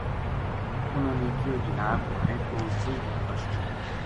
اِنھاں نے کہیو جناب مھارے کول کوئی بندوبست نیہہ